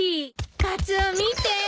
カツオ見て。